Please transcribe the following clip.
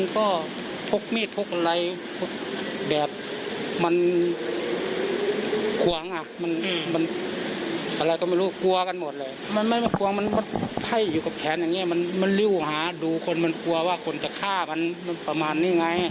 ขอบคุณคุณพระเจ้าครับ